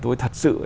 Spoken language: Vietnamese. tôi thật sự